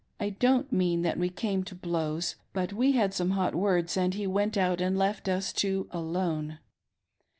I don't mean that we came to blows, but we had some hot words, and he went out and left us two alone.